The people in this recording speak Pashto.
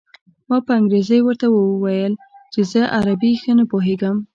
ما په انګرېزۍ ورته وویل چې زه عربي ښه نه پوهېږم.